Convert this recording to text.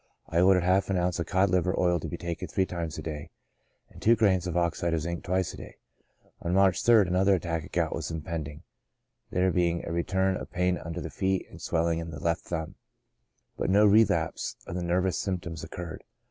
i ordered half an ounce of cod liver oil to be taken three times a day, and two grains of oxide of zinc twice a day. On March 3rd, another attack of gout was impending, there being a return of pain under the feet, and swelling in the left thumb ; but no relapse of the nervous symptoms occurred.